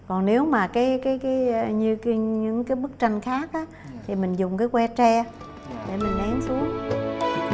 còn nếu mà cái cái cái như cái những cái bức tranh cát á thì mình dùng cái que tre để mình nén xuống